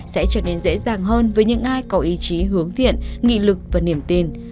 sẽ trở nên dễ dàng hơn với những ai có ý chí hướng thiện nghị lực và niềm tin